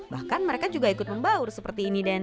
bahkan mereka juga ikut membaur seperti ini dan